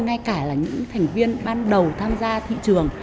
ngay cả là những thành viên ban đầu tham gia thị trường